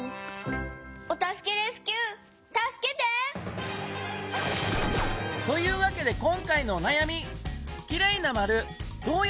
お助けレスキューたすけて！というわけで今回のおなやみ。